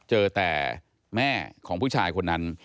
เจอแต่แม่ของผู้ชายคนนั้น